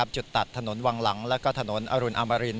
จุดตัดถนนวังหลังและถนนอรุณอมริน